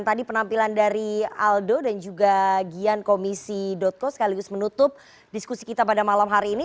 tadi penampilan dari aldo dan juga gian komisi co sekaligus menutup diskusi kita pada malam hari ini